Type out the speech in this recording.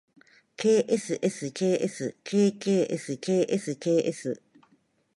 ｋｓｓｋｓｋｋｓｋｓｋｓ